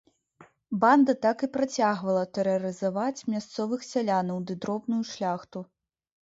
Банда так і працягвала тэрарызаваць мясцовых сялянаў ды дробную шляхту.